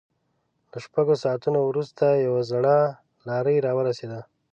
له شپږو ساعتونو وروسته يوه زړه لارۍ را ورسېده.